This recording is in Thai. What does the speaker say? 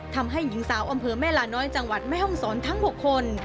ทำให้หญิงสาวอำเภอแม่ลาน้อยจังหวัดแม่ห้องศรทั้ง๖คน